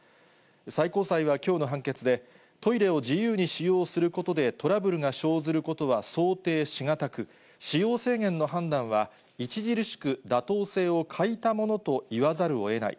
最高裁はきょうの判決で、トイレを自由に使用することでトラブルが生ずることは想定し難く、使用制限の判断は著しく妥当性を欠いたものと言わざるをえない。